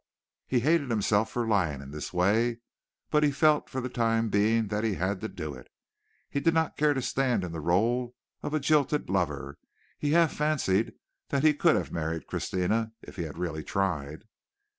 He hated himself for lying in this way, but he felt for the time being that he had to do it. He did not care to stand in the rôle of a jilted lover. He half fancied that he could have married Christina if he had really tried.